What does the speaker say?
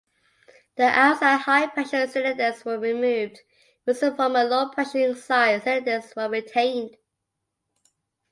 The outside high-pressure cylinders were removed, whilst the former low-pressure inside cylinders were retained.